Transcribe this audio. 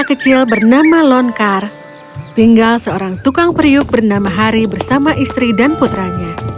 kecil bernama lonkar tinggal seorang tukang periuk bernama hari bersama istri dan putranya